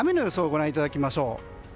ご覧いただきましょう。